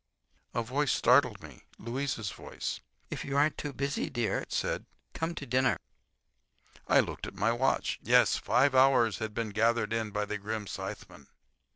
A voice startled me—Louisa's voice. "If you aren't too busy, dear," it said, "come to dinner." I looked at my watch. Yes, five hours had been gathered in by the grim scytheman.